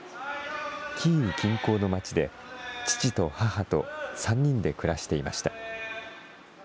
キーウ近郊の町で、父と母と３人で暮らしていました。